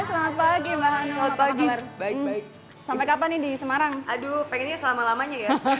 selamat pagi mbak anwar baik baik sampai kapan nih di semarang aduh pengennya selama lamanya ya